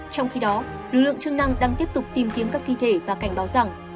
trong khi đó lực lượng chức năng đang tiếp tục tìm kiếm các thi thể và cảnh báo rằng